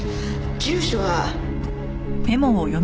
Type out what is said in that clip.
住所は。